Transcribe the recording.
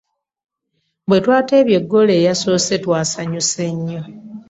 Bwetwateebye goolo eyasoose twasanyuse nnyo.